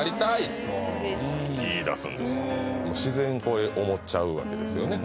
もう自然思っちゃうわけですよね